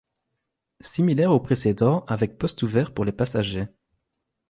Similaire au précédent avec poste ouvert pour les passagers.